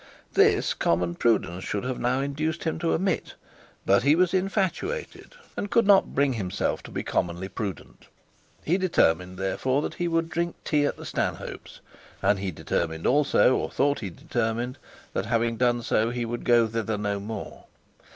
This common prudence should have now induced him to omit, but he was infatuated; and could not bring himself to be commonly prudent. He determined therefore that he would drink tea at the Stanhope's; and he determined also, or thought that he determined, that having done so he would go thither no more.